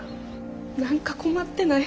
何か困ってない？